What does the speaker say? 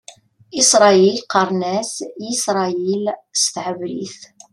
Iṣṛayil qqaṛen-as "Yisṛayil" s tɛebrit.